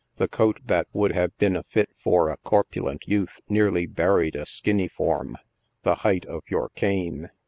The coat that would have been a fit for a corpulent youth nearly buried a skinny form — the height of your cane.